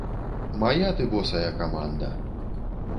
Мая ты босая каманда.